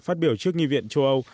phát biểu trước nghị viện châu âu